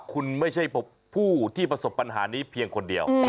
คุณไม่ใช่ผู้ที่ประสบปัญหานี้เพียงคนเดียว